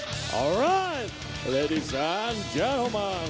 เอาล่ะเจ้าหญิงผู้ชมครับ